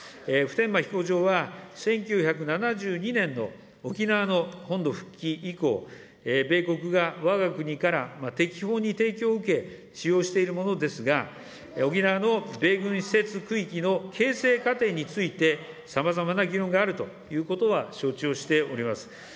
普天間飛行場は、１９７２年の沖縄の本土復帰以降、米国がわが国から適法に提供を受け、使用しているものですが、沖縄の米軍施設区域の形成過程について、さまざまな議論があるということは、承知をしております。